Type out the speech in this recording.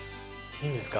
いいんですか？